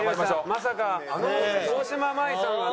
まさかあの大島麻衣さんがね